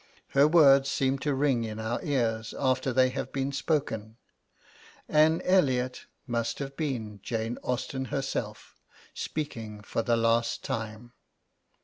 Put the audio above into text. Her words seem to ring in our ears after they have been spoken. Anne Elliot must have been Jane Austen herself, speaking for the last time.